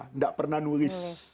tidak pernah menulis